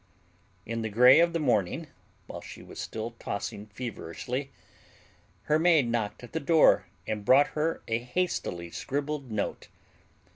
In the gray of the morning, while she was still tossing feverishly, her maid knocked at the door and brought her a hastily scribbled note.